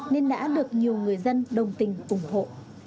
nên đã được nhiều người dân đồng tình ủng hộ